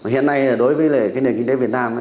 hiện nay đối với nền kinh tế việt nam